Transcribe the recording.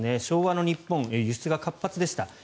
昭和の日本、輸出が活発でした。